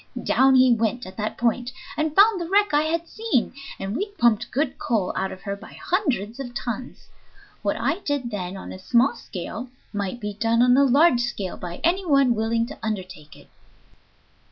Down he went at that point, and found the wreck I had seen, and we pumped good coal out of her by hundreds of tons. What I did then on a small scale might be done on a large scale by any one willing to undertake it."